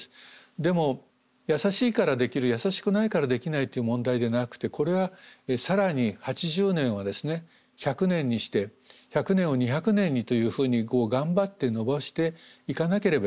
でもやさしいからできるやさしくないからできないという問題でなくてこれは更に８０年はですね１００年にして１００年を２００年にというふうに頑張ってのばしていかなければいけない。